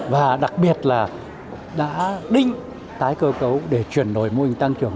và đặc biệt là đã định tái cơ cấu để chuyển đổi mô hình tăng trưởng